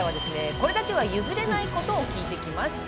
これだけはゆずれないことを聞いてきました。